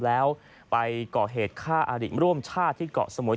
แล้วไปก่อเหตุฆ่าอาริร่วมชาติที่เกาะสมุย